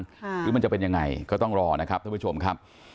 หรือมันจะเป็นยังไงก็ต้องรอนะครับท่านผู้ชมครับ